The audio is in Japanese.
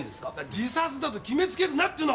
自殺だと決めつけるなっての！